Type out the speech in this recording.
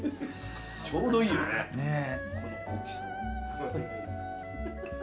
ちょうどいいよね。